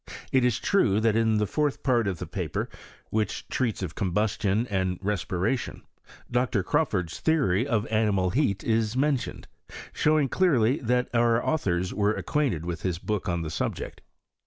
It is true that in the fourth part of the paper, which treats of combustion and respiration. Dr. Crawford's theory of animal heat is mentioned, showing clearly that our authors were acquainted with his book on the subject.